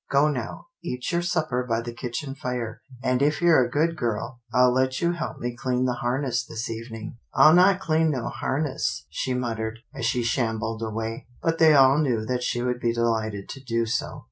Go now, eat your supper by the kitchen fire, and if you're a good girl, I'll let you help me clean the harness this evening." " I'll not clean no harness," she muttered, as she shambled away; but they all knew that she would be delighted to do so.